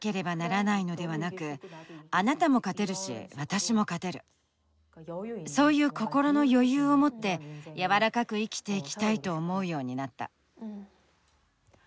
ただ引退するとそういう心の余裕を持って柔らかく生きていきたいと思うようになった。